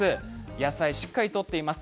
野菜をしっかりとっています。